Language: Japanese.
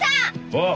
おう！